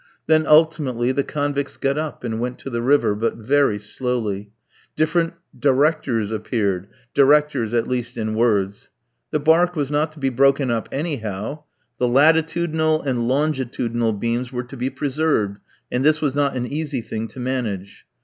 Then ultimately the convicts got up and went to the river, but very slowly. Different "directors" appeared, "directors," at least, in words. The barque was not to be broken up anyhow. The latitudinal and longitudinal beams were to be preserved, and this was not an easy thing to manage.